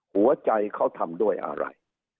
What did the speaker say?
หัวใจเขาทำด้วยอะไร